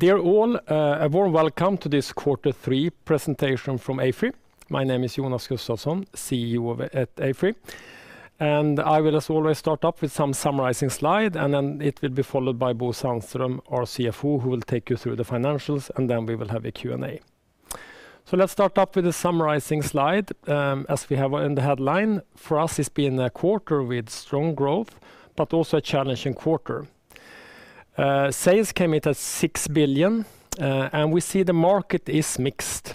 Dear all, a warm welcome to this quarter three presentation from AFRY. My name is Jonas Gustavsson, CEO of AFRY, and I will, as always, start off with some summarizing slide, and then it will be followed by Bo Sandström, our CFO, who will take you through the financials, and then we will have a Q&A. So let's start off with the summarizing slide. As we have in the headline, for us, it's been a quarter with strong growth, but also a challenging quarter. Sales came in at 6 billion, and we see the market is mixed.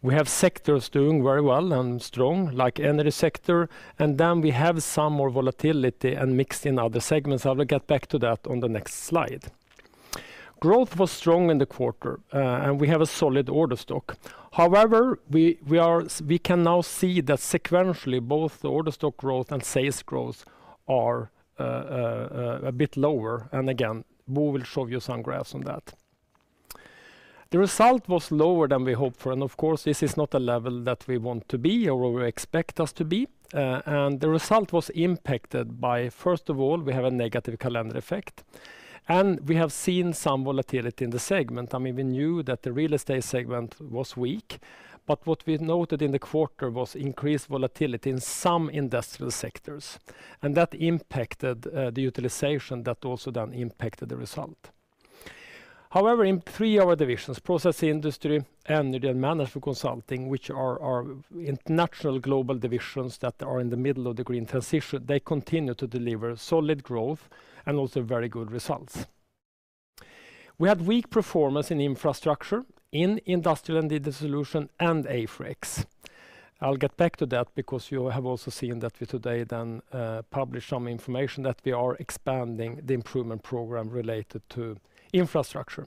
We have sectors doing very well and strong, like energy sector, and then we have some more volatility and mixed in other segments. I will get back to that on the next slide. Growth was strong in the quarter, and we have a solid order stock. However, we can now see that sequentially, both the order stock growth and sales growth are a bit lower, and again, Bo will show you some graphs on that. The result was lower than we hoped for, and of course, this is not a level that we want to be or we expect us to be. And the result was impacted by, first of all, we have a negative calendar effect, and we have seen some volatility in the segment. I mean, we knew that the real estate segment was weak, but what we noted in the quarter was increased volatility in some industrial sectors, and that impacted the utilization that also then impacted the result. However, in three of our divisions, Process Industries, Energy, and Management Consulting, which are our international global divisions that are in the middle of the green transition, they continue to deliver solid growth and also very good results. We had weak performance in Infrastructure, in Industrial & Digital Solutions, and AFRY X. I'll get back to that because you have also seen that we today then published some information that we are expanding the improvement program related to Infrastructure.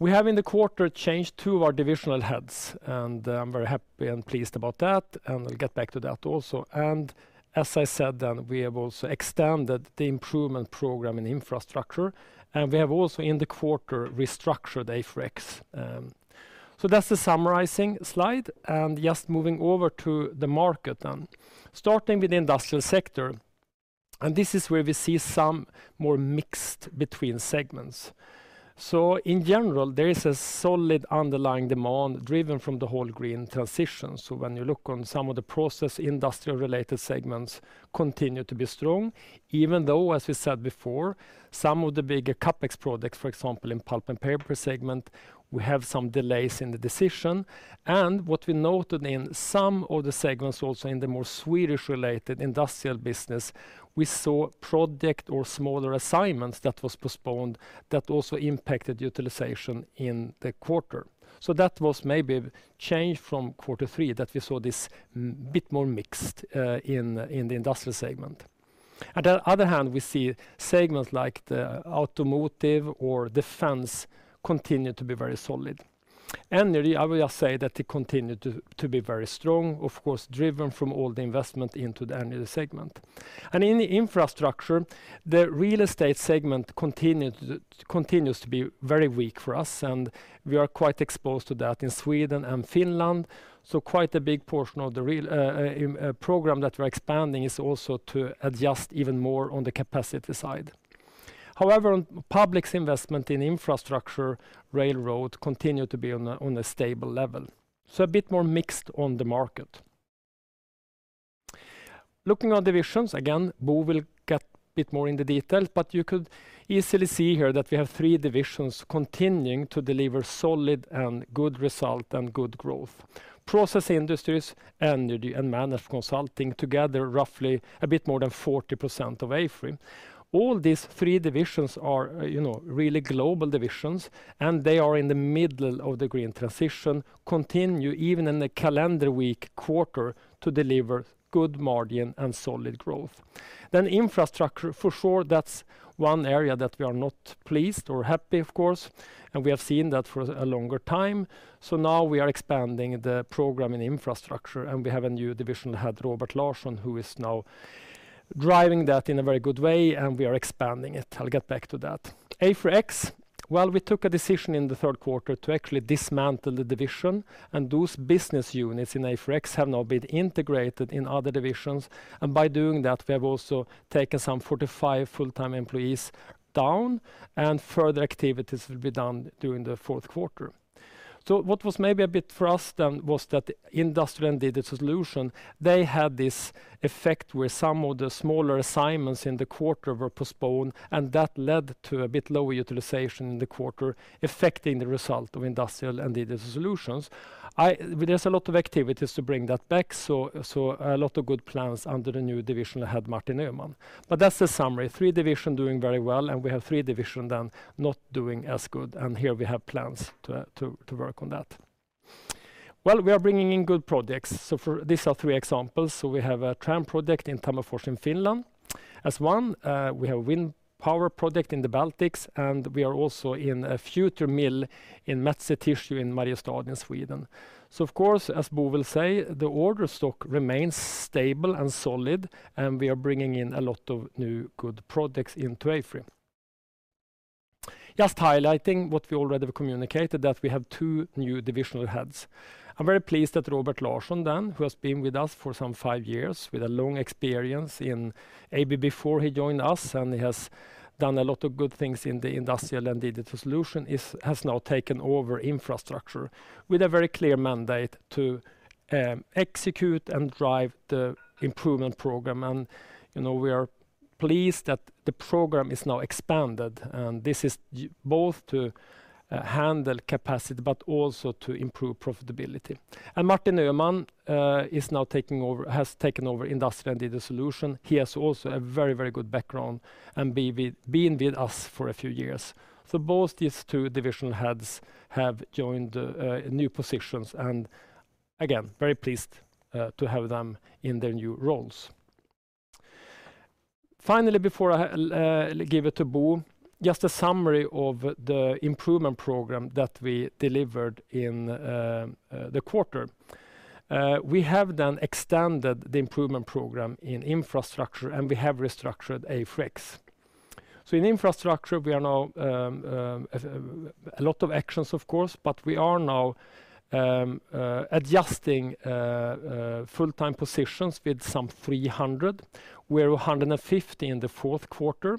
We have, in the quarter, changed two of our divisional heads, and I'm very happy and pleased about that, and I'll get back to that also. And as I said, then we have also extended the improvement program in Infrastructure, and we have also, in the quarter, restructured AFRY X. So that's the summarizing slide, and just moving over to the market then. Starting with the industrial sector, and this is where we see some more mixed between segments. So in general, there is a solid underlying demand driven from the whole green transition. So when you look on some of the Process Industries-related segments continue to be strong, even though, as we said before, some of the bigger CapEx projects, for example, in pulp and paper segment, we have some delays in the decision. And what we noted in some of the segments, also in the more Swedish-related industrial business, we saw project or smaller assignments that was postponed that also impacted utilization in the quarter. So that was maybe a change from quarter three, that we saw this a bit more mixed, in the industrial segment. On the other hand, we see segments like the automotive or defense continue to be very solid. Energy, I will just say that it continued to be very strong, of course, driven from all the investment into the energy segment. And in the Infrastructure, the real estate segment continued to... continues to be very weak for us, and we are quite exposed to that in Sweden and Finland. So quite a big portion of the real estate program that we're expanding is also to adjust even more on the capacity side. However, public's investment in infrastructure, railroad, continue to be on a stable level, so a bit more mixed on the market. Looking at divisions, again, Bo will get a bit more into detail, but you could easily see here that we have three divisions continuing to deliver solid and good result and good growth. Process Industries, Energy, and Management Consulting, together, roughly a bit more than 40% of AFRY. All these three divisions are, you know, really global divisions, and they are in the middle of the green transition, continue even in the calendar weak quarter, to deliver good margin and solid growth. Then Infrastructure, for sure, that's one area that we are not pleased or happy, of course, and we have seen that for a longer time. So now we are expanding the program in Infrastructure, and we have a new division head, Robert Larsson, who is now driving that in a very good way, and we are expanding it. I'll get back to that. AFRY X, well, we took a decision in the third quarter to actually dismantle the division, and those business units in AFRY X have now been integrated in other divisions. And by doing that, we have also taken some 45 full-time employees down, and further activities will be done during the fourth quarter. So what was maybe a bit frustrating was that Industrial & Digital Solutions, they had this effect where some of the smaller assignments in the quarter were postponed, and that led to a bit lower utilization in the quarter, affecting the result of Industrial & Digital Solutions. There's a lot of activities to bring that back, so a lot of good plans under the new division head, Martin Öhman. But that's the summary. Three divisions doing very well, and we have three divisions then not doing as good, and here we have plans to work on that. Well, we are bringing in good projects, so for... These are three examples. So we have a tram project in Tammerfors in Finland. As one, we have wind power project in the Baltics, and we are also in a future mill in Metsä Tissue in Mariestad in Sweden. Of course, as Bo will say, the order stock remains stable and solid, and we are bringing in a lot of new good projects into AFRY. Just highlighting what we already have communicated, that we have two new divisional heads. I'm very pleased that Robert Larsson, who has been with us for some 5 years, with a long experience in ABB before he joined us, and he has done a lot of good things in the Industrial & Digital Solutions, has now taken over Infrastructure with a very clear mandate to execute and drive the improvement program. You know, we are pleased that the program is now expanded, and this is both to handle capacity, but also to improve profitability. Martin Öhman is now taking over, has taken over Industrial & Digital Solutions. He has also a very, very good background and been with us for a few years. So both these two divisional heads have joined new positions, and again, very pleased to have them in their new roles. Finally, before I give it to Bo, just a summary of the improvement program that we delivered in the quarter. We have then extended the improvement program in Infrastructure, and we have restructured AFRY. So in Infrastructure, we are now a lot of actions, of course, but we are now adjusting full-time positions with some 300, where 150 in the fourth quarter,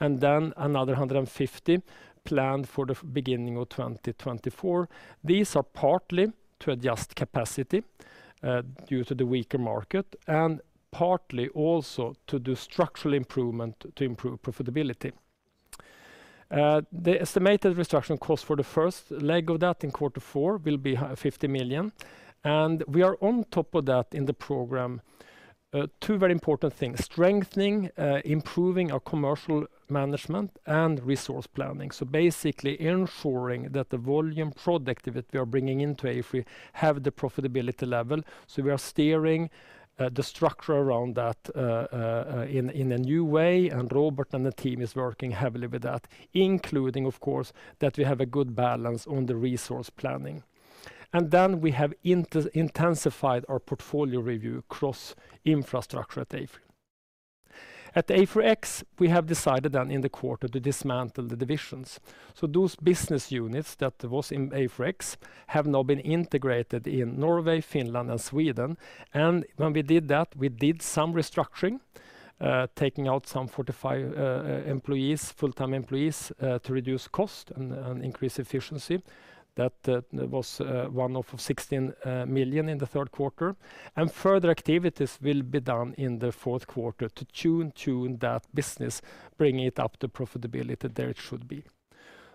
and then another 150 planned for the beginning of 2024. These are partly to adjust capacity due to the weaker market, and partly also to do structural improvement to improve profitability. The estimated restructuring cost for the first leg of that in quarter four will be 50 million, and we are on top of that in the program. Two very important things: strengthening, improving our commercial management and resource planning. Basically ensuring that the volume projects that we are bringing into AFRY have the profitability level, we are steering the structure around that in a new way, and Robert and the team is working heavily with that, including, of course, that we have a good balance on the resource planning. We have intensified our portfolio review across Infrastructure at AFRY. At AFRY X, we have decided in the quarter to dismantle the divisions. Those business units that were in AFRY X have now been integrated in Norway, Finland, and Sweden. When we did that, we did some restructuring, taking out some 45 employees, full-time employees, to reduce cost and increase efficiency. That was 16 million in the third quarter. Further activities will be done in the fourth quarter to tune that business, bringing it up to profitability that it should be.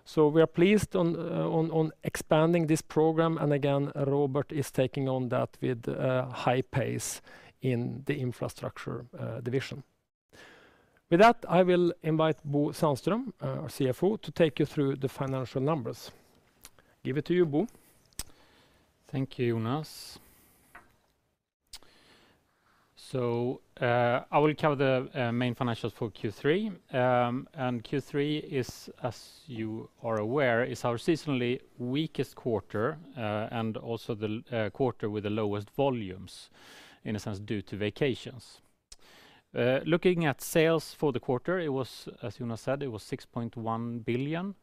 So we are pleased on, on, on expanding this program, and again, Robert is taking on that with high pace in the Infrastructure division. With that, I will invite Bo Sandström, our CFO, to take you through the financial numbers. Give it to you, Bo. Thank you, Jonas. So, I will cover the main financials for Q3. Q3 is, as you are aware, is our seasonally weakest quarter, and also the quarter with the lowest volumes, in a sense, due to vacations. Looking at sales for the quarter, it was, as Jonas said, it was 6.1 billion,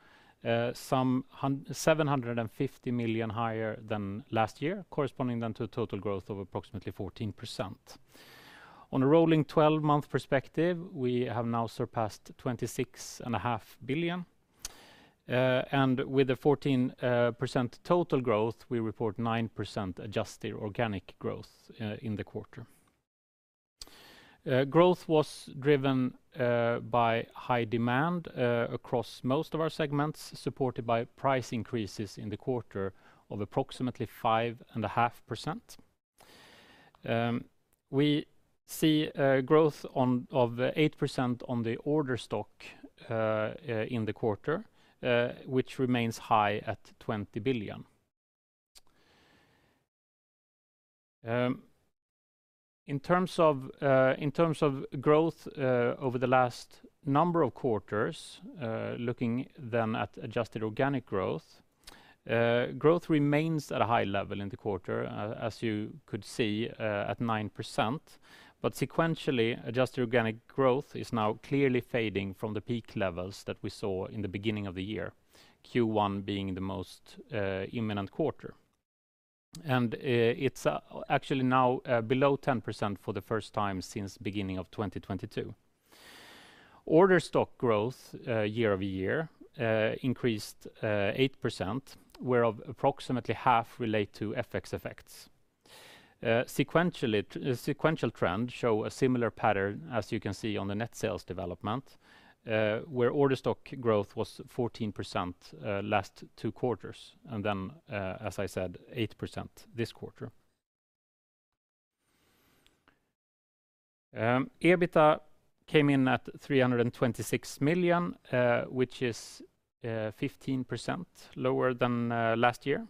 750 million higher than last year, corresponding then to a total growth of approximately 14%. On a rolling 12-month perspective, we have now surpassed 26.5 billion. With the 14% total growth, we report 9% adjusted organic growth in the quarter. Growth was driven by high demand across most of our segments, supported by price increases in the quarter of approximately 5.5%. We see growth of 8% on the order stock in the quarter, which remains high at 20 billion. In terms of growth over the last number of quarters, looking then at adjusted organic growth, growth remains at a high level in the quarter, as you could see, at 9%. But sequentially, adjusted organic growth is now clearly fading from the peak levels that we saw in the beginning of the year, Q1 being the most imminent quarter. And it's actually now below 10% for the first time since beginning of 2022. Order stock growth year-over-year increased 8%, whereof approximately half relate to FX effects. Sequentially, sequential trends show a similar pattern, as you can see on the net sales development, where order stock growth was 14%, last two quarters, and then, as I said, 8% this quarter. EBITDA came in at 326 million, which is 15% lower than last year.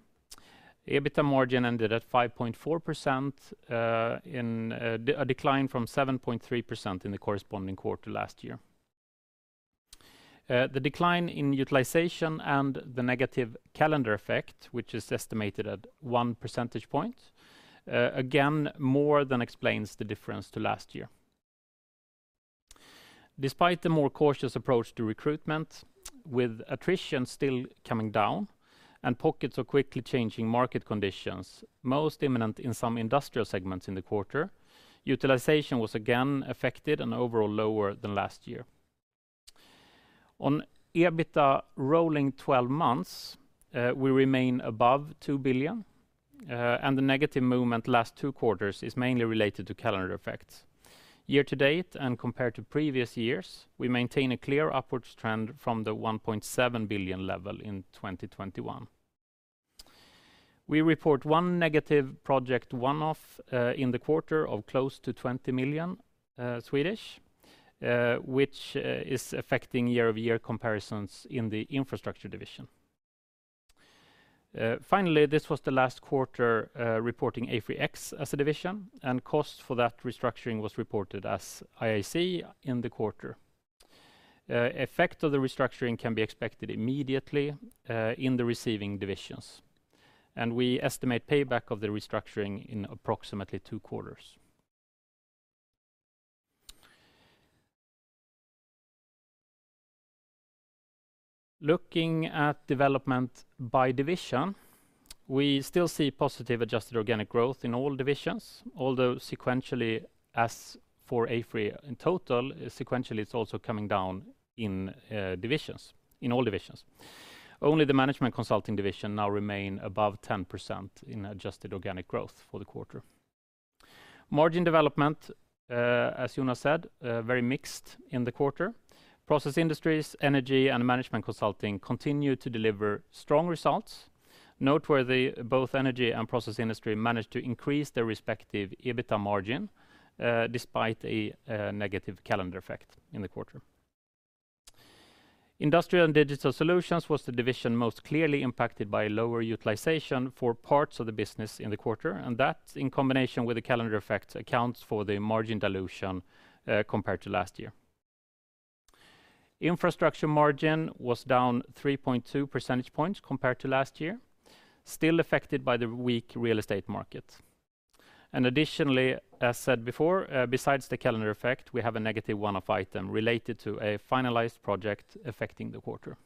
EBITDA margin ended at 5.4%, in a decline from 7.3% in the corresponding quarter last year. The decline in utilization and the negative calendar effect, which is estimated at one percentage point, again, more than explains the difference to last year... Despite the more cautious approach to recruitment, with attrition still coming down and pockets of quickly changing market conditions, most imminent in some industrial segments in the quarter, utilization was again affected and overall lower than last year. On EBITDA, rolling 12-months, we remain above 2 billion, and the negative movement last two quarters is mainly related to calendar effects. Year-to-date and compared to previous years, we maintain a clear upward trend from the 1.7 billion level in 2021. We report one negative project one-off, in the quarter of close to 20 million, Swedish, which is affecting year-over-year comparisons in the Infrastructure division. Finally, this was the last quarter, reporting AFRY X as a division, and cost for that restructuring was reported as IAC in the quarter. Effect of the restructuring can be expected immediately, in the receiving divisions, and we estimate payback of the restructuring in approximately two quarters. Looking at development by division, we still see positive adjusted organic growth in all divisions, although sequentially, as for AFRY in total, sequentially, it's also coming down in all divisions. Only the management consulting division now remain above 10% in adjusted organic growth for the quarter. Margin development, as Jonas said, very mixed in the quarter. Process Industries, Energy, and Management Consulting continue to deliver strong results. Noteworthy, both Energy and Process Industries managed to increase their respective EBITDA margin, despite a negative calendar effect in the quarter. Industrial & Digital Solutions was the division most clearly impacted by lower utilization for parts of the business in the quarter, and that, in combination with the calendar effect, accounts for the margin dilution, compared to last year. Infrastructure margin was down 3.2 percentage points compared to last year, still affected by the weak real estate market. Additionally, as said before, besides the calendar effect, we have a negative one-off item related to a finalized project affecting the quarter.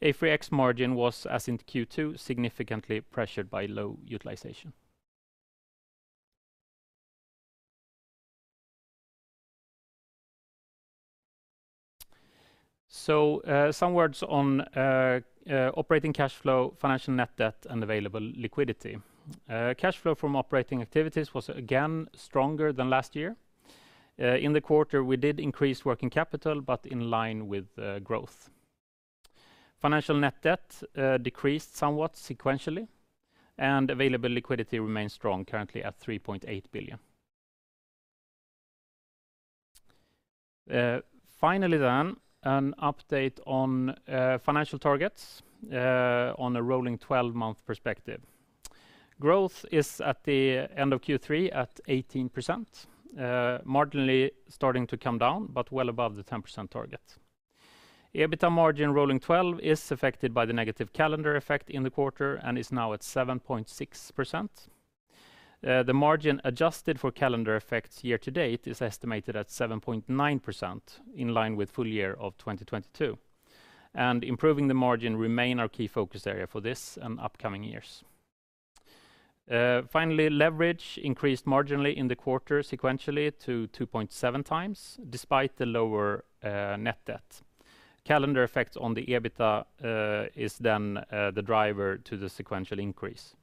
AFRY X margin was, as in Q2, significantly pressured by low utilization. So, some words on operating cash flow, financial net debt, and available liquidity. Cash flow from operating activities was again stronger than last year. In the quarter, we did increase working capital, but in line with growth. Financial net debt decreased somewhat sequentially, and available liquidity remains strong, currently at 3.8 billion. Finally then, an update on financial targets, on a rolling 12-month perspective. Growth is at the end of Q3 at 18%, marginally starting to come down, but well above the 10% target. EBITDA margin rolling twelve is affected by the negative calendar effect in the quarter and is now at 7.6%. The margin adjusted for calendar effects year to date is estimated at 7.9%, in line with full year of 2022. Improving the margin remains our key focus area for this and upcoming years. Finally, leverage increased marginally in the quarter sequentially to 2.7x, despite the lower net debt. Calendar effect on the EBITDA is then the driver to the sequential increase.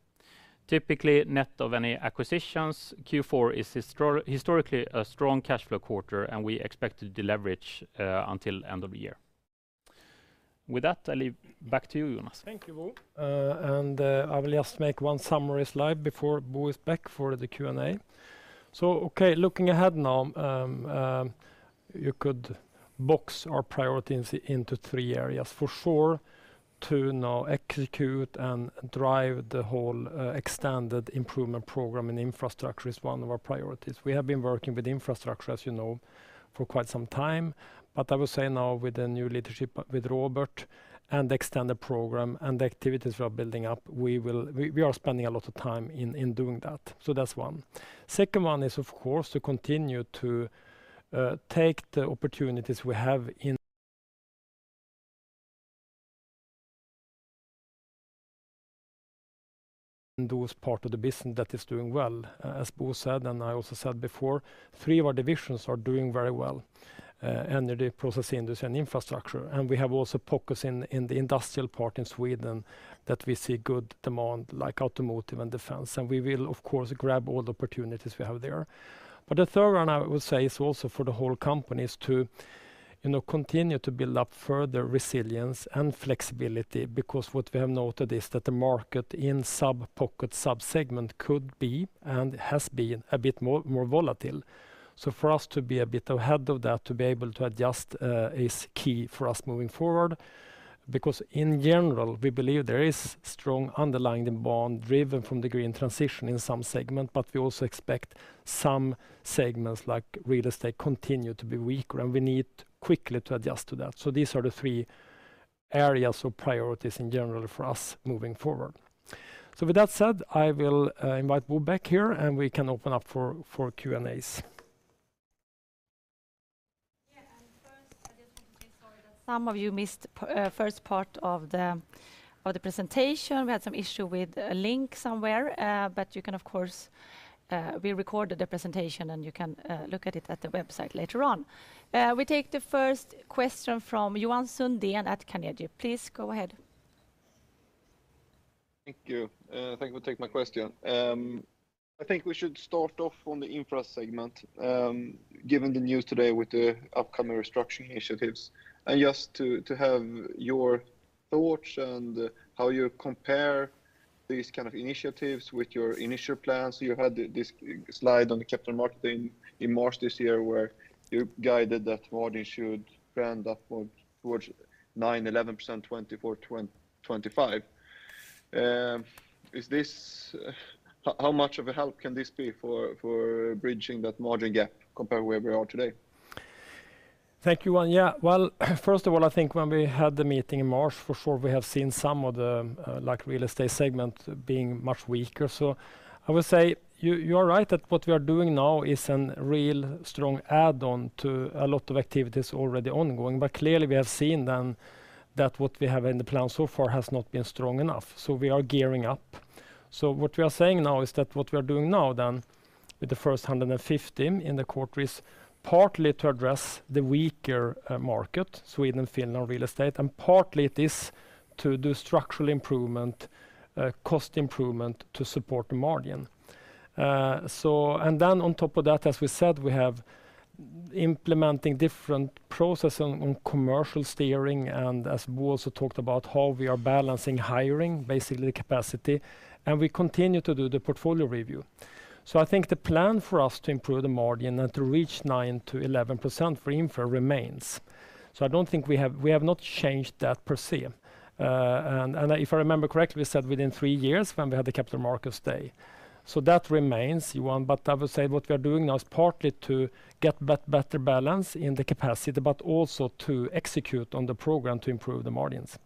Typically, net of any acquisitions, Q4 is historically a strong cash flow quarter, and we expect to deleverage until end of the year. With that, I leave back to you, Jonas. Thank you, Bo. And, I will just make one summary slide before Bo is back for the Q&A. So okay, looking ahead now, you could box our priorities into three areas. For sure, to now execute and drive the whole, extended improvement program in Infrastructure is one of our priorities. We have been working with Infrastructure, as you know, for quite some time, but I will say now with the new leadership, with Robert, and the extended program, and the activities we are building up, we are spending a lot of time in doing that. So that's one. Second one is, of course, to continue to take the opportunities we have in those parts of the business that is doing well. As Bo said, and I also said before, three of our divisions are doing very well, Energy, Process Industries, and Infrastructure. And we have also pockets in, in the industrial part in Sweden that we see good demand, like automotive and defense, and we will of course, grab all the opportunities we have there. But the third one, I would say, is also for the whole company is to, you know, continue to build up further resilience and flexibility, because what we have noted is that the market in sub-pocket, sub-segment could be, and has been, a bit more, more volatile. So for us to be a bit ahead of that, to be able to adjust, is key for us moving forward. Because in general, we believe there is strong underlying demand driven from the green transition in some segment, but we also expect some segments, like real estate, continue to be weaker, and we need quickly to adjust to that. So these are the three areas of priorities in general for us moving forward. So with that said, I will invite Bo back here, and we can open up for Q&As. Yeah, and first, I just need to say sorry that some of you missed the first part of the presentation. We had some issue with a link somewhere, but you can, of course... We recorded the presentation, and you can look at it at the website later on. We take the first question from Johan Sundén at Carnegie. Please, go ahead. Thank you. Thank you for taking my question. I think we should start off on the Infrastructure segment, given the news today with the upcoming restructuring initiatives, and just to have your thoughts and how you compare these kind of initiatives with your initial plans. You had this slide on the capital markets in March this year, where you guided that margin should trend upward towards 9%-11% 2024-2025. Is this how much of a help can this be for bridging that margin gap compared to where we are today? Thank you, Johan. Yeah. Well, first of all, I think when we had the meeting in March, for sure, we have seen some of the, like, real estate segment being much weaker. So I would say you, you are right that what we are doing now is a real strong add-on to a lot of activities already ongoing. But clearly, we have seen then that what we have in the plan so far has not been strong enough, so we are gearing up. So what we are saying now is that what we are doing now, then, with the first 150 in the quarter, is partly to address the weaker market, Sweden, Finland, real estate, and partly it is to do structural improvement, cost improvement to support the margin. So, and then on top of that, as we said, we have implementing different process on, on commercial steering, and as Bo also talked about, how we are balancing hiring, basically capacity, and we continue to do the portfolio review. So I think the plan for us to improve the margin and to reach 9%-11% for infra remains. So I don't think we have not changed that, per se. And if I remember correctly, we said within three years when we had the Capital Markets Day. So that remains, Johan, but I would say what we are doing now is partly to get that better balance in the capacity, but also to execute on the program to improve the margins.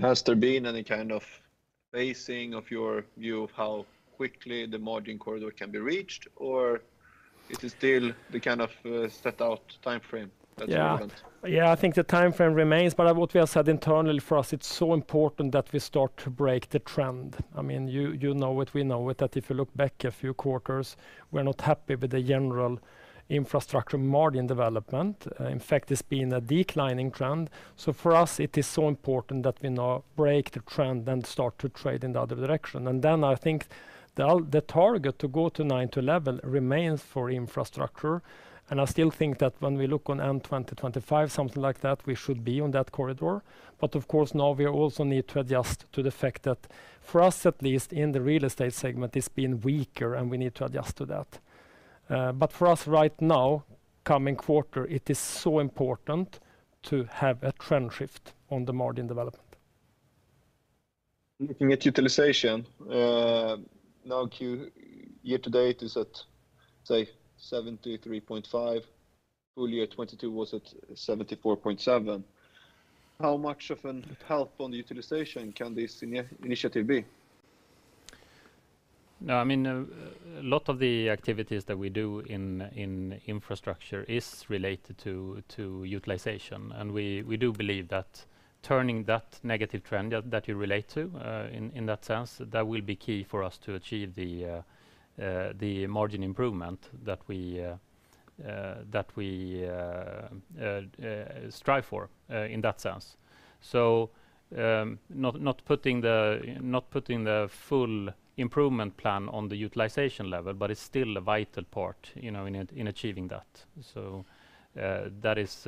Has there been any kind of phasing of your view of how quickly the margin corridor can be reached, or is it still the kind of, set out time frame at the moment? Yeah. Yeah, I think the time frame remains, but what we have said internally for us, it's so important that we start to break the trend. I mean, you know it, we know it, that if you look back a few quarters, we're not happy with the general Infrastructure margin development. In fact, it's been a declining trend. So for us, it is so important that we now break the trend and start to trade in the other direction. And then I think the target to go to 9%-11% remains for Infrastructure, and I still think that when we look on end 2025, something like that, we should be on that corridor. But of course, now we also need to adjust to the fact that for us, at least, in the real estate segment, it's been weaker, and we need to adjust to that. But for us right now, coming quarter, it is so important to have a trend shift on the margin development. Looking at utilization, now Q... Year-to-date is at, say, 73.5%. Full year 2022 was at 74.7%. How much of an help on the utilization can this initiative be? No, I mean, a lot of the activities that we do in Infrastructure is related to utilization. And we do believe that turning that negative trend that you relate to, in that sense, that will be key for us to achieve the margin improvement that we strive for, in that sense. So, not putting the full improvement plan on the utilization level, but it's still a vital part, you know, in achieving that. So, that is,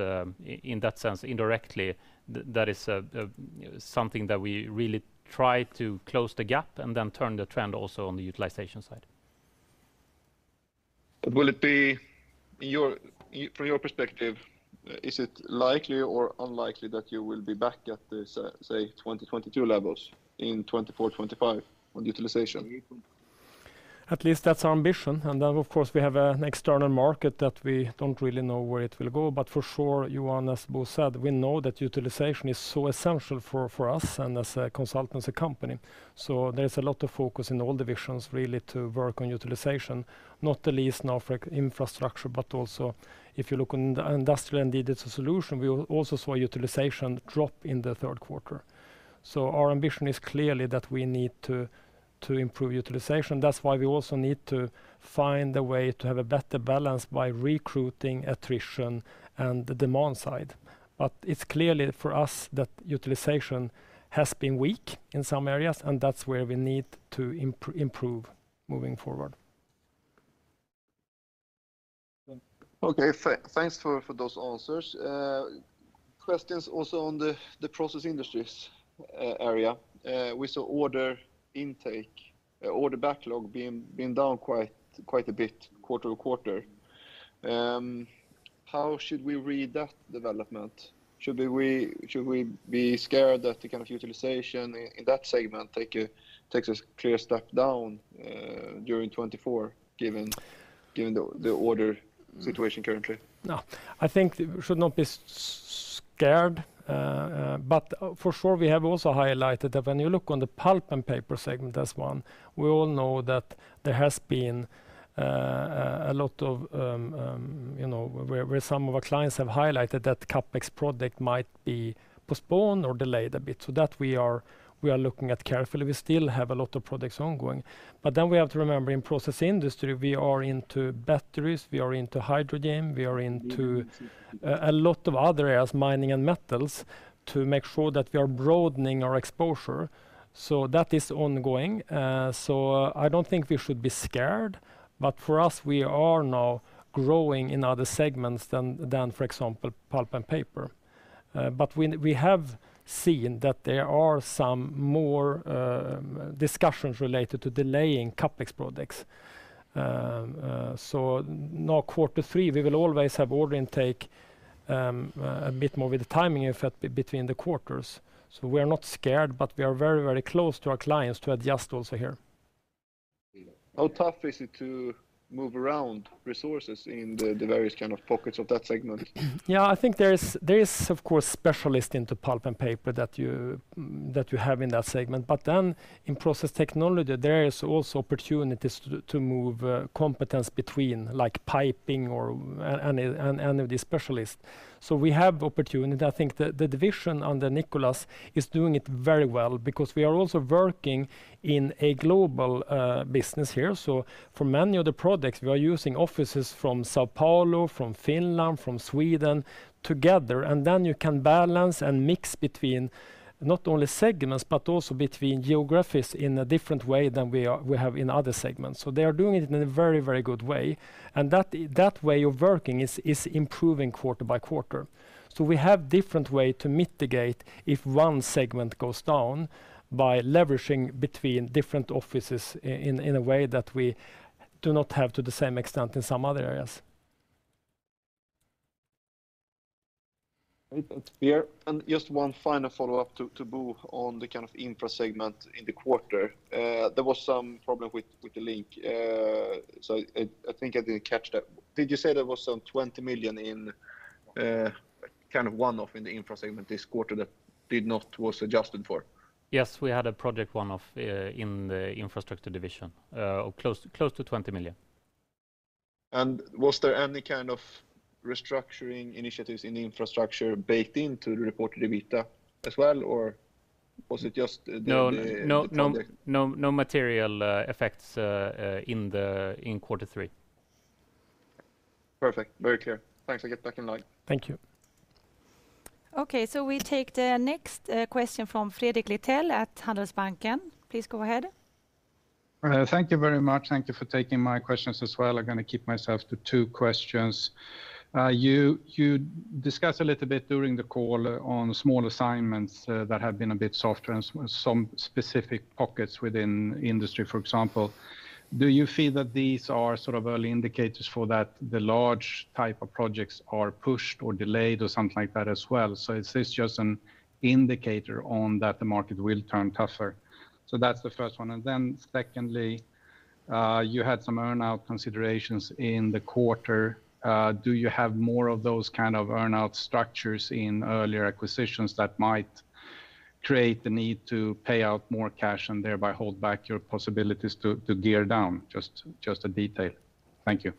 in that sense, indirectly, that is something that we really try to close the gap and then turn the trend also on the utilization side. Will it be... From your perspective, is it likely or unlikely that you will be back at the—say, 2022 levels in 2024, 2025 on utilization? At least that's our ambition. And then, of course, we have an external market that we don't really know where it will go. But for sure, Johan, as Bo said, we know that utilization is so essential for us and as a consultant, as a company. So there's a lot of focus in all divisions really to work on utilization, not the least now for Infrastructure, but also if you look on the Industrial & Digital Solutions, we also saw utilization drop in the third quarter. So our ambition is clearly that we need to improve utilization. That's why we also need to find a way to have a better balance by recruiting attrition and the demand side. But it's clearly for us that utilization has been weak in some areas, and that's where we need to improve moving forward. Okay, thanks for those answers. Questions also on the Process Industries area. We saw order intake, order backlog being down quite a bit quarter-over-quarter. How should we read that development? Should we be scared that the kind of utilization in that segment takes a clear step down during 2024, given the order situation currently? No, I think it should not be scared, but for sure, we have also highlighted that when you look on the pulp and paper segment, as one, we all know that there has been a lot of, you know, where, where some of our clients have highlighted that CapEx project might be postponed or delayed a bit. So that we are, we are looking at carefully. We still have a lot of projects ongoing, but then we have to remember, in Process Industries, we are into batteries, we are into hydrogen, we are into a lot of other areas, mining and metals, to make sure that we are broadening our exposure. So that is ongoing. So I don't think we should be scared, but for us, we are now growing in other segments than, for example, pulp and paper. But we have seen that there are some more discussions related to delaying CapEx projects. So now quarter three, we will always have order intake a bit more with the timing effect between the quarters. So we are not scared, but we are very, very close to our clients to adjust also here. How tough is it to move around resources in the various kind of pockets of that segment? Yeah, I think there is, there is of course, specialist into pulp and paper that you, that you have in that segment. But then in process technology, there is also opportunities to move competence between like piping or an, and the specialist. We have opportunity. I think the division under Nicholas is doing it very well because we are also working in a global business here. For many of the projects, we are using offices from São Paulo, from Finland, from Sweden together, and then you can balance and mix between not only segments, but also between geographies in a different way than we have in other segments. They are doing it in a very, very good way, and that way of working is improving quarter by quarter. So we have different way to mitigate if one segment goes down, by leveraging between different offices in a way that we do not have to the same extent in some other areas. Great. That's clear. And just one final follow-up to Bo on the kind of Infra segment in the quarter. There was some problem with the link. So I think I didn't catch that. Did you say there was some 20 million in kind of one-off in the Infra segment this quarter that did not was adjusted for? Yes, we had a project one-off in the Infrastructure division, close to 20 million. Was there any kind of restructuring initiatives in the Infrastructure baked into the reported EBITDA as well, or was it just the...? No, no, no, no, no material effects in quarter three. Perfect. Very clear. Thanks. I get back in line. Thank you. Okay, so we take the next question from Fredrik Lithell at Handelsbanken. Please go ahead. Thank you very much. Thank you for taking my questions as well. I'm gonna keep myself to two questions. You discussed a little bit during the call on small assignments that have been a bit softer in some specific pockets within industry, for example. Do you feel that these are sort of early indicators for that the large type of projects are pushed or delayed or something like that as well? So is this just an indicator on that the market will turn tougher? So that's the first one, and then secondly, you had some earn-out considerations in the quarter. Do you have more of those kind of earn-out structures in earlier acquisitions that might create the need to pay out more cash and thereby hold back your possibilities to gear down? Just a detail. Thank you.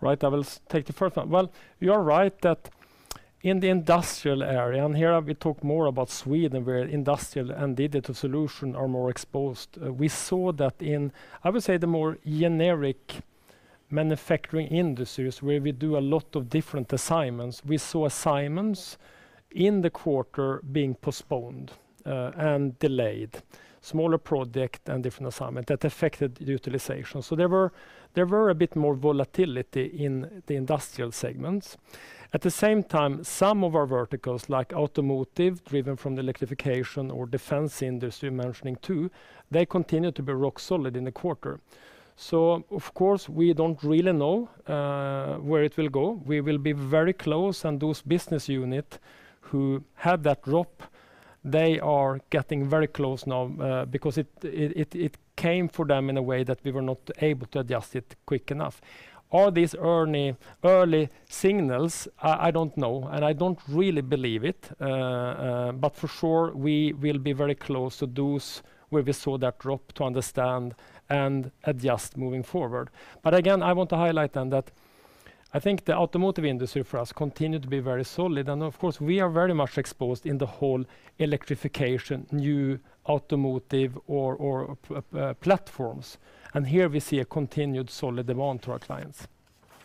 Right. I will take the first one. Well, you are right that in the industrial area, and here we talk more about Sweden, where Industrial & Digital Solutions are more exposed. We saw that in, I would say, the more generic manufacturing industries, where we do a lot of different assignments. We saw assignments in the quarter being postponed and delayed. Smaller projects and different assignments that affected utilization. So there were a bit more volatility in the industrial segments. At the same time, some of our verticals, like automotive, driven from the electrification or defense industry, mentioning, too, they continued to be rock solid in the quarter. So of course, we don't really know where it will go. We will be very close, and those business unit who had that drop, they are getting very close now, because it came for them in a way that we were not able to adjust it quick enough. Are these early, early signals? I don't know, and I don't really believe it. But for sure, we will be very close to those where we saw that drop to understand and adjust moving forward. But again, I want to highlight then that I think the automotive industry for us continued to be very solid. And of course, we are very much exposed in the whole electrification, new automotive or platforms. And here we see a continued solid demand to our clients.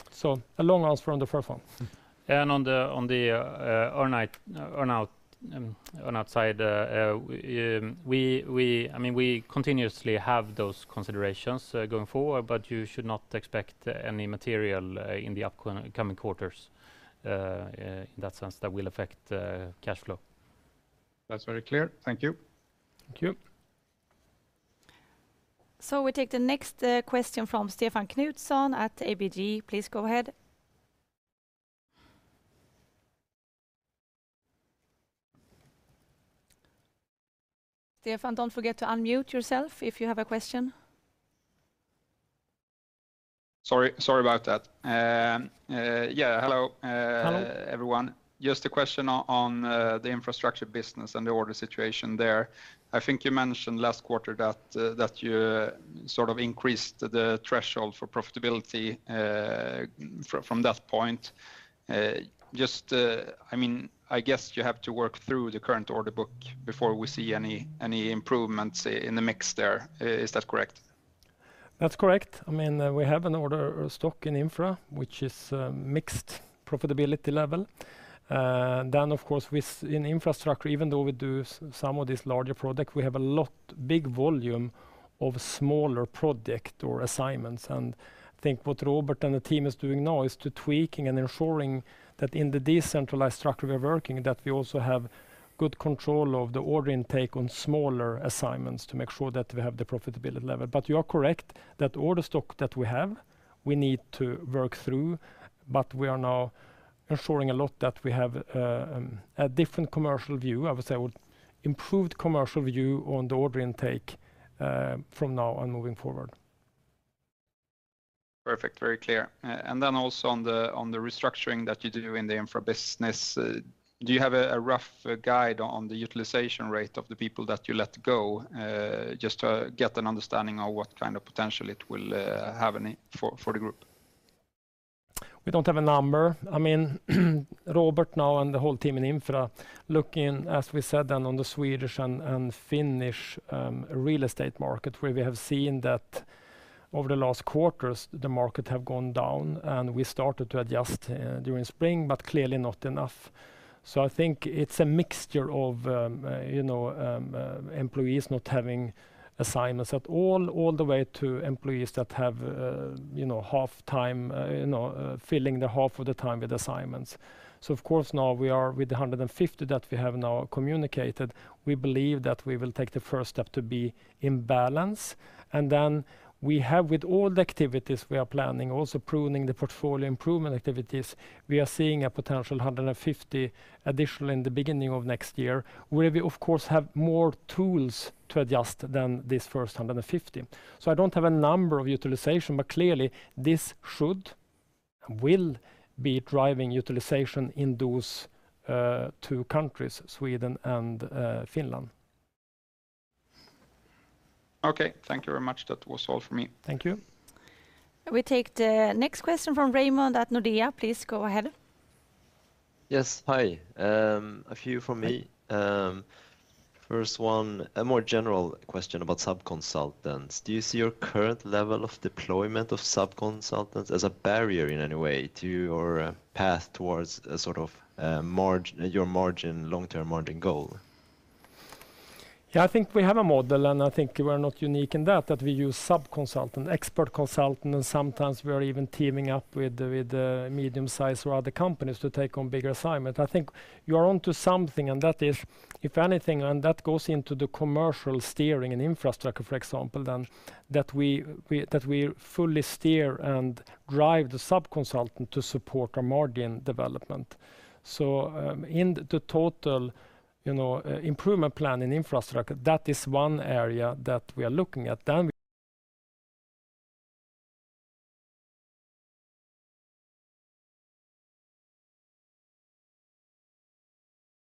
So a long answer on the first one. And on the earn out side, I mean, we continuously have those considerations going forward, but you should not expect any material in the upcoming quarters in that sense that will affect cash flow. That's very clear. Thank you. Thank you. We take the next question from Stefan Knutsson at ABG. Please go ahead. Stefan, don't forget to unmute yourself if you have a question. Sorry, sorry about that. Yeah, hello. Hello Everyone. Just a question on the Infrastructure business and the order situation there. I think you mentioned last quarter that you sort of increased the threshold for profitability from that point. Just, I mean, I guess you have to work through the current order book before we see any improvements in the mix there. Is that correct? That's correct. I mean, we have an order stock in Infra, which is mixed profitability level. Then, of course, within Infrastructure, even though we do some of this larger project, we have a lot big volume of smaller project or assignments. And I think what Robert and the team is doing now is to tweaking and ensuring that in the decentralized structure we are working, that we also have good control of the order intake on smaller assignments to make sure that we have the profitability level. But you are correct, that order stock that we have, we need to work through, but we are now ensuring a lot that we have a different commercial view. I would say, improved commercial view on the order intake from now on moving forward. Perfect. Very clear. And then also on the restructuring that you do in the Infrastructure business, do you have a rough guide on the utilization rate of the people that you let go? Just to get an understanding of what kind of potential it will have any for the group. We don't have a number. I mean, Robert now, and the whole team in Infrastructure, looking, as we said, on the Swedish and Finnish real estate market, where we have seen that over the last quarters, the market have gone down, and we started to adjust during spring, but clearly not enough. So I think it's a mixture of, you know, employees not having assignments at all, all the way to employees that have, you know, half time, you know, filling the half of the time with assignments. So of course, now we are with the 150 that we have now communicated, we believe that we will take the first step to be in balance. And then we have, with all the activities we are planning, also pruning the portfolio improvement activities, we are seeing a potential 150 additional in the beginning of next year, where we, of course, have more tools to adjust than this first 150. So I don't have a number of utilization, but clearly, this should, will be driving utilization in those, two countries, Sweden and, Finland. Okay. Thank you very much. That was all for me. Thank you. We take the next question from Raymond at Nordea. Please go ahead. Yes. Hi. A few from me. First one, a more general question about sub-consultants. Do you see your current level of deployment of sub-consultants as a barrier in any way to your path towards a sort of margin, your long-term margin goal? Yeah, I think we have a model, and I think we're not unique in that, that we use sub-consultant, expert consultant, and sometimes we are even teaming up with the medium-sized or other companies to take on bigger assignments. I think you are onto something, and that is, if anything, and that goes into the commercial steering in Infrastructure, for example, then that we fully steer and drive the sub-consultant to support our margin development. So, in the total, you know, improvement plan in Infrastructure, that is one area that we are looking at. Then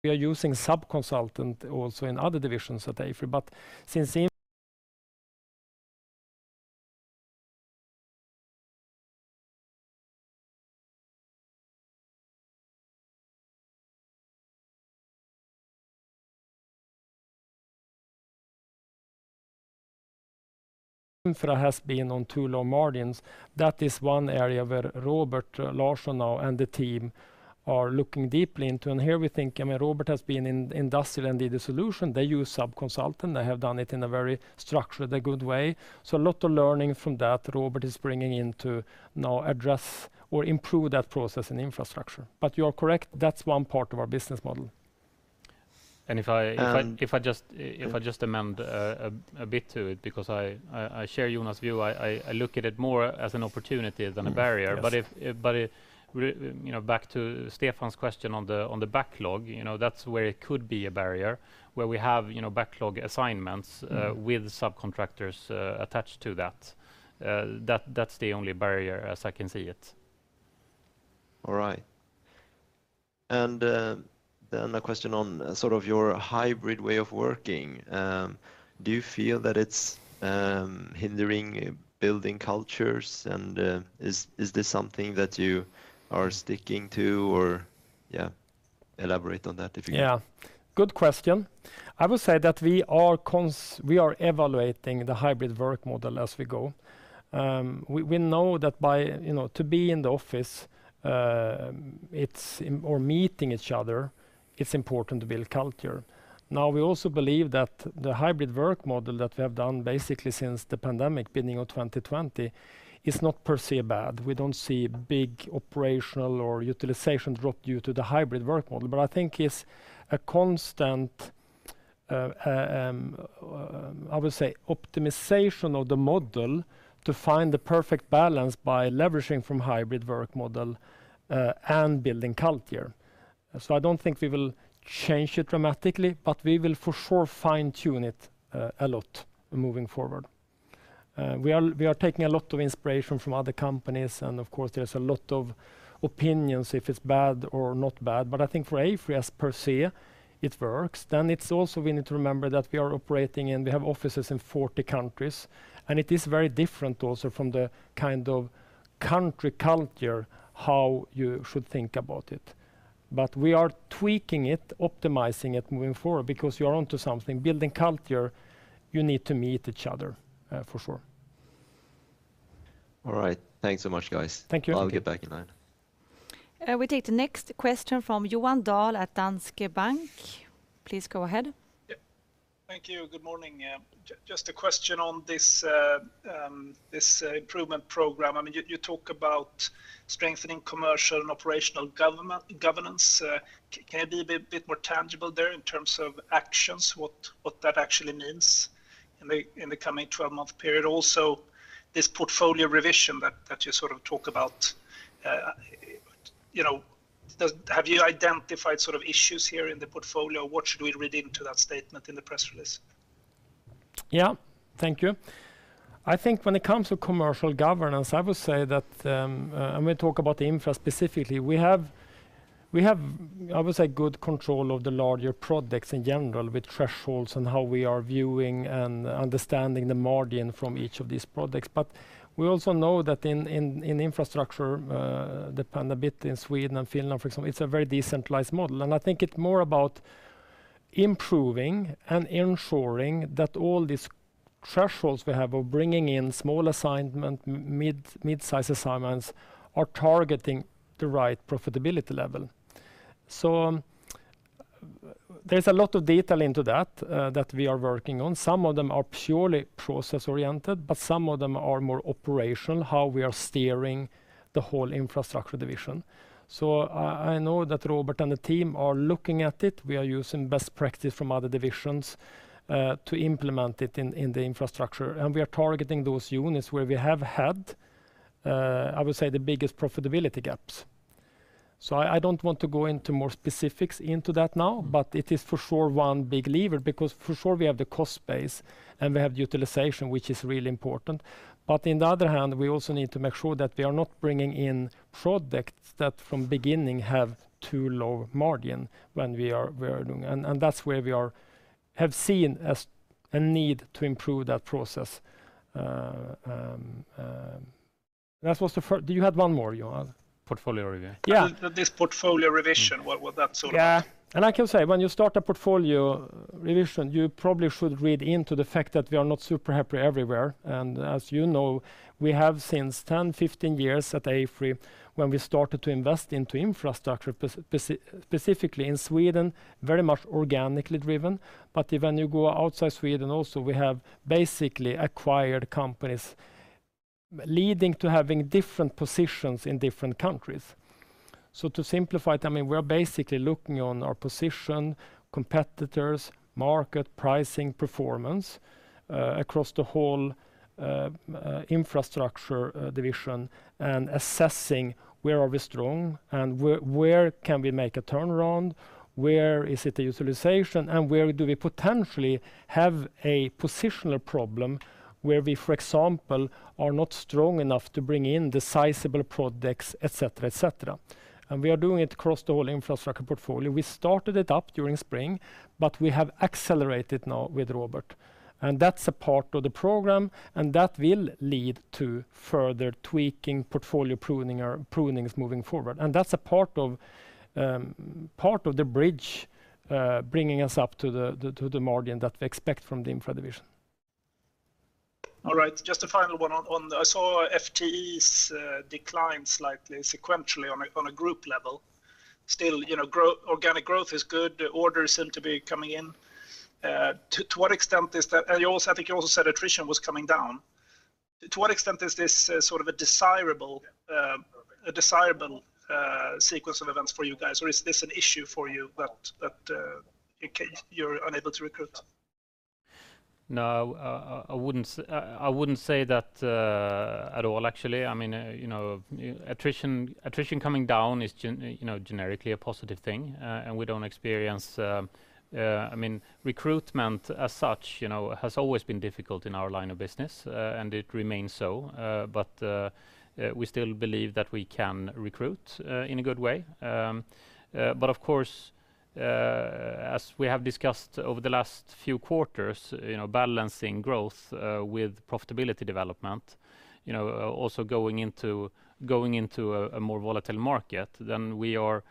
we are using sub-consultant also in other divisions at AFRY. But since Infra has been on two low margins, that is one area where Robert Larsson now and the team are looking deeply into. And here we think, I mean, Robert has been in Industrial & Digital Solutions. They use sub-consultants. They have done it in a very structured, good way. So a lot of learning from that, Robert is bringing in to now address or improve that process in Infrastructure. But you are correct, that's one part of our business model. And- And If I just amend a bit to it, because I share Jonas' view. I look at it more as an opportunity than a barrier. Yes. you know, back to Stefan's question on the, on the backlog, you know, that's where it could be a barrier, where we have, you know, backlog assignments with subcontractors, attached to that. That, that's the only barrier as I can see it. All right. And, then a question on sort of your hybrid way of working. Do you feel that it's hindering building cultures? And, is this something that you are sticking to? Or... Yeah, elaborate on that, if you can. Yeah. Good question. I would say that we are evaluating the hybrid work model as we go. We know that by, you know, to be in the office or meeting each other, it's important to build culture. Now, we also believe that the hybrid work model that we have done basically since the pandemic, beginning of 2020, is not per se bad. We don't see big operational or utilization drop due to the hybrid work model, but I think it's a constant, I would say, optimization of the model to find the perfect balance by leveraging from hybrid work model and building culture. So I don't think we will change it dramatically, but we will for sure fine-tune it a lot moving forward. We are taking a lot of inspiration from other companies, and of course, there's a lot of opinions if it's bad or not bad. But I think for AFRY, as per se, it works. Then it's also we need to remember that we are operating, and we have offices in 40 countries, and it is very different also from the kind of country culture, how you should think about it. But we are tweaking it, optimizing it moving forward, because you are onto something. Building culture, you need to meet each other, for sure. All right. Thanks so much, guys. Thank you. I'll get back in line. We take the next question from Johan Dahl at Danske Bank. Please go ahead. Yep. Thank you. Good morning. Just a question on this improvement program. I mean, you talk about strengthening commercial and operational governance. Can you be a bit more tangible there in terms of actions, what that actually means in the coming 12-month period? Also, this portfolio revision that you sort of talk about, you know, have you identified sort of issues here in the portfolio? What should we read into that statement in the press release? Yeah, thank you. I think when it comes to commercial governance, I would say that, and we talk about the Infrastructure specifically, we have, we have, I would say, good control of the larger projects in general, with thresholds and how we are viewing and understanding the margin from each of these projects. But we also know that in Infrastructure, depend a bit in Sweden and Finland, for example, it's a very decentralized model, and I think it's more about improving and ensuring that all these thresholds we have of bringing in small assignment, mid-size assignments, are targeting the right profitability level. So there's a lot of detail into that, that we are working on. Some of them are purely process-oriented, but some of them are more operational, how we are steering the whole Infrastructure division. So I know that Robert and the team are looking at it. We are using best practice from other divisions to implement it in the Infrastructure, and we are targeting those units where we have had, I would say, the biggest profitability gaps. So I don't want to go into more specifics into that now, but it is for sure one big lever, because for sure, we have the cost base, and we have utilization, which is really important. But on the other hand, we also need to make sure that we are not bringing in projects that from beginning have too low margin when we are doing. And that's where we have seen a need to improve that process. That was the first. You had one more, Johan? Portfolio review. Yeah. This portfolio revision, what would that sort of... Yeah. And I can say, when you start a portfolio revision, you probably should read into the fact that we are not super happy everywhere. And as you know, we have since 10, 15 years at AFRY, when we started to invest into infrastructure, specifically in Sweden, very much organically driven. But when you go outside Sweden also, we have basically acquired companies, leading to having different positions in different countries. So to simplify it, I mean, we are basically looking on our position, competitors, market, pricing, performance, across the whole Infrastructure division, and assessing where are we strong and where, where can we make a turnaround, where is it the utilization, and where do we potentially have a positional problem, where we, for example, are not strong enough to bring in the sizable projects, et cetera, et cetera. We are doing it across the whole Infrastructure portfolio. We started it up during spring, but we have accelerated now with Robert, and that's a part of the program, and that will lead to further tweaking, portfolio pruning or prunings moving forward. That's a part of the bridge, bringing us up to the margin that we expect from the infra division. All right. Just a final one on... I saw FTEs declined slightly sequentially on a group level. Still, you know, growth, organic growth is good. Orders seem to be coming in. To what extent is that... And you also, I think you also said attrition was coming down. To what extent is this sort of a desirable sequence of events for you guys, or is this an issue for you that in case you're unable to recruit? No, I wouldn't say that at all, actually. I mean, you know, attrition coming down is generically a positive thing, and we don't experience. I mean, recruitment as such, you know, has always been difficult in our line of business, and it remains so. But we still believe that we can recruit in a good way. But of course, as we have discussed over the last few quarters, you know, balancing growth with profitability development, you know, also going into a more volatile market, then we are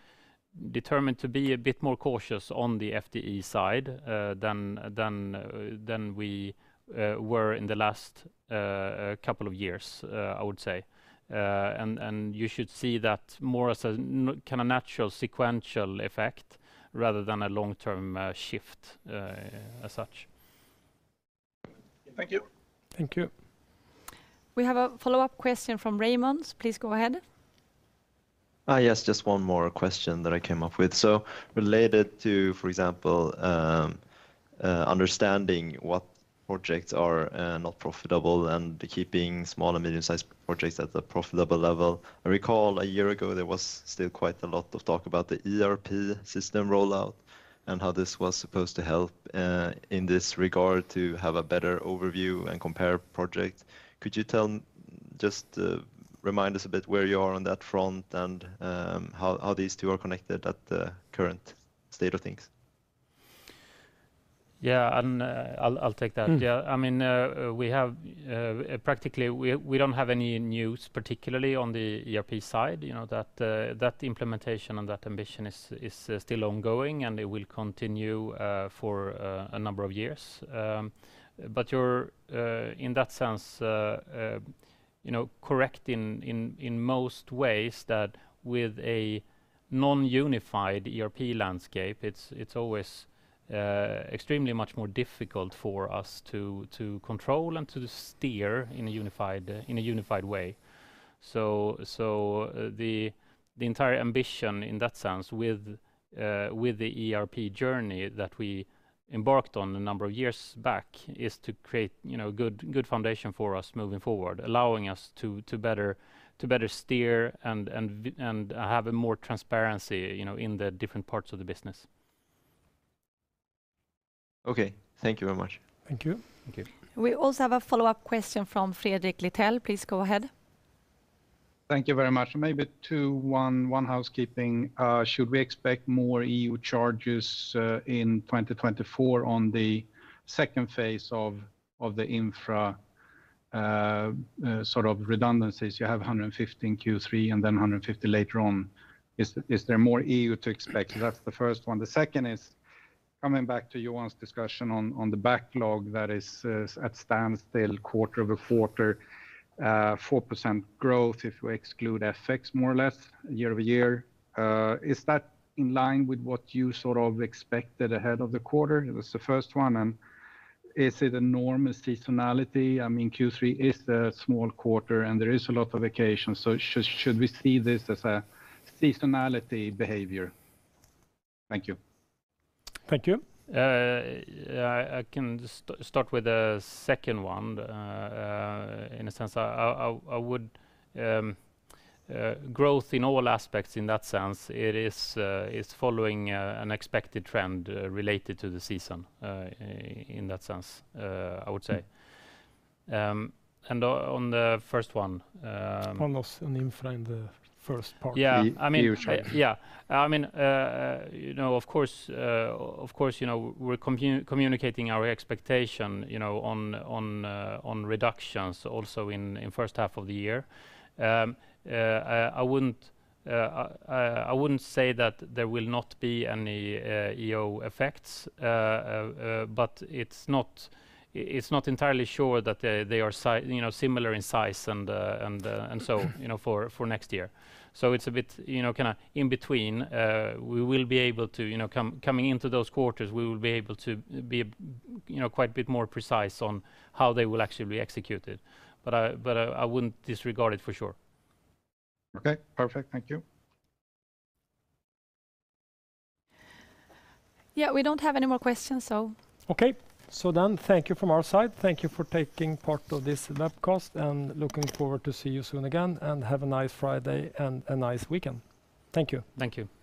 determined to be a bit more cautious on the FTE side than we were in the last couple of years, I would say. And you should see that more as a kind of natural sequential effect rather than a long-term shift, as such. Thank you. Thank you. We have a follow-up question from Raymond. Please go ahead. Yes, just one more question that I came up with. So related to, for example, understanding what projects are not profitable and keeping small and medium-sized projects at a profitable level. I recall a year ago, there was still quite a lot of talk about the ERP system rollout and how this was supposed to help in this regard, to have a better overview and compare projects. Could you just remind us a bit where you are on that front, and how these two are connected at the current state of things? Yeah, and, I'll take that. Mm. Yeah, I mean, we have practically we don't have any news, particularly on the ERP side. You know, that that implementation and that ambition is still ongoing, and it will continue for a number of years. But you're in that sense you know correct in most ways that with a non-unified ERP landscape, it's always extremely much more difficult for us to control and to steer in a unified way. The entire ambition in that sense, with the ERP journey that we embarked on a number of years back, is to create, you know, good foundation for us moving forward, allowing us to better steer and have a more transparency, you know, in the different parts of the business. Okay. Thank you very much. Thank you. Thank you. We also have a follow-up question from Fredrik Lithell. Please go ahead. Thank you very much. Maybe two or one on housekeeping. Should we expect more IAC charges in 2024 on the second phase of the infra sort of redundancies? You have 150 in Q3, and then 150 later on. Is there more IAC to expect? That's the first one. The second is coming back to Johan's discussion on the backlog that is at standstill quarter-over-quarter, 4% growth, if we exclude FX, more or less, year-over-year. Is that in line with what you sort of expected ahead of the quarter? It was the first one, and is it enormous seasonality? I mean, Q3 is a small quarter, and there is a lot of vacations, so should we see this as a seasonality behavior? Thank you. Thank you. I can just start with the second one. In a sense, I would. Growth in all aspects, in that sense, it is following an expected trend, in that sense, I would say. And on the first one, On the Infrastructure in the first part. Yeah. The IAC charge. I mean, yeah. I mean, you know, of course, of course, you know, we're communicating our expectation, you know, on, on, on reductions also in, in first half of the year. I wouldn't say that there will not be any IAC effects. But it's not, it's not entirely sure that they, they are, you know, similar in size and, and, you know, for, for next year. So it's a bit, you know, kinda in between. We will be able to, you know, coming into those quarters, we will be able to be, you know, quite a bit more precise on how they will actually be executed. But I wouldn't disregard it for sure. Okay, perfect. Thank you. Yeah, we don't have any more questions, so. Okay. Thank you from our side. Thank you for taking part of this webcast, and looking forward to see you soon again. Have a nice Friday, and a nice weekend. Thank you. Thank you.